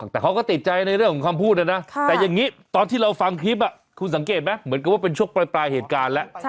แต่เขาก็ติดใจในเรื่องของคำพูดนะนะแต่อย่างนี้ตอนที่เราฟังคลิปคุณสังเกตไหมเหมือนกับว่าเป็นช่วงปลายเหตุการณ์แล้ว